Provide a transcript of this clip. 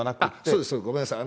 そうです、ごめんなさい。